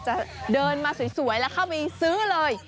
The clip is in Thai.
จะเดินมาสวยแล้วเข้าไปซื้อเลย